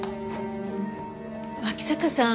脇坂さん